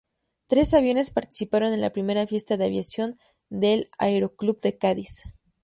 Tres aviones participaron en la primera Fiesta de Aviación del Aeroclub de Cádiz.